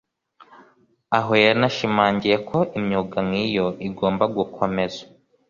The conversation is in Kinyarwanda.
aho yanashimangiye ko imyuga nk’iyi igomba gukomeza